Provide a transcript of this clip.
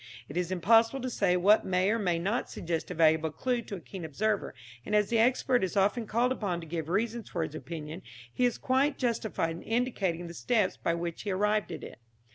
It is impossible to say what may or may not suggest a valuable clue to a keen observer; and as the expert is often called upon to give reasons for his opinion he is quite justified in indicating the steps by which he arrived at it.